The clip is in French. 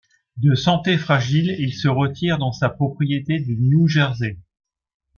De santé fragile, il se retire dans sa propriété du New Jersey.